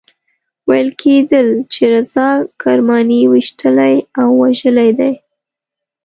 ویل کېدل چې رضا کرماني ویشتلی او وژلی دی.